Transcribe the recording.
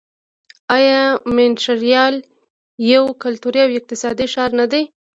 آیا مونټریال یو کلتوري او اقتصادي ښار نه دی؟